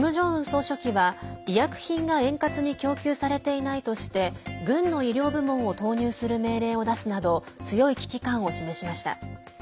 総書記は医薬品が円滑に供給されていないとして軍の医療部門を投入する命令を出すなど強い危機感を示しました。